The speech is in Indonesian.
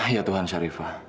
ya tuhan sarifa